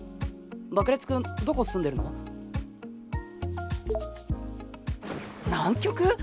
ばくれつ君どこ住んでるの？南極！？